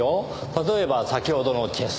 例えば先ほどのチェス。